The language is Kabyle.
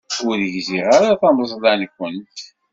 Ur gziɣ ara tameẓla-nwent.